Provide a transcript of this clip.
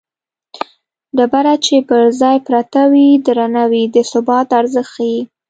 ډبره چې پر ځای پرته وي درنه وي د ثبات ارزښت ښيي